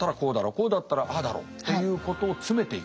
「こうだったらああだろ」ということを詰めていく。